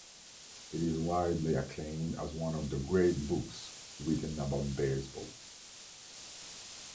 It is widely acclaimed as one of the great books written about baseball.